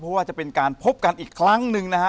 เพราะว่าจะเป็นการพบกันอีกครั้งหนึ่งนะฮะ